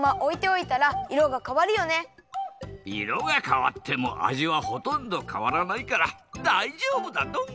いろがかわってもあじはほとんどかわらないからだいじょうぶだドン。